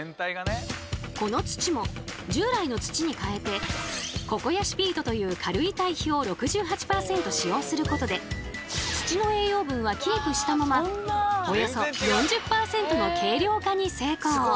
この土も従来の土に替えてココヤシピートという軽い堆肥を６８％使用することで土の栄養分はキープしたままおよそ４０％の軽量化に成功。